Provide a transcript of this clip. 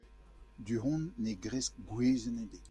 Du-hont ne gresk gwezenn ebet.